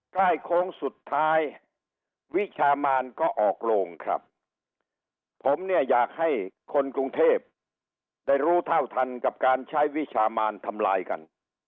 โค้งสุดท้ายวิชามานก็ออกโรงครับผมเนี่ยอยากให้คนกรุงเทพได้รู้เท่าทันกับการใช้วิชามานทำลายกัน